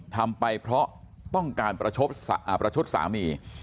ทำไปเพราะต้องการประชดสามี